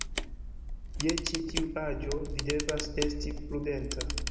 Je ĉi tiu aĝo, vi devas esti prudenta.